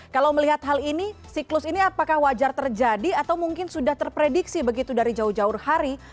kalau melihat hal ini siklus ini apakah wajar terjadi atau mungkin sudah terprediksi begitu dari jauh jauh hari